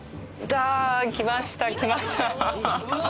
来ました！